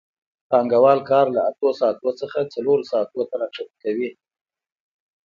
پانګوال کار له اته ساعتونو څخه څلور ساعتونو ته راښکته کوي